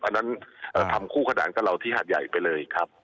อันนั้นทำคู่ขนานกับเราที่หาดใหญ่ไปเลยครับ